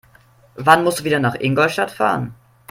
Wann musst du wieder nach Ingolstadt fahren?